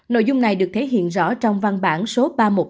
nội dung này được thể hiện rõ trong văn bản số ba trăm một mươi ba